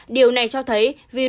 điều này cho thấy